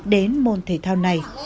và không biết đến môn thể thao này